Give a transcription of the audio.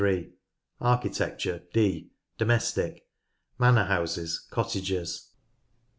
Architecture— (d) Domestic. Manor Houses, Cottages.